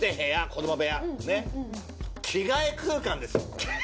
着替え空間ですよ。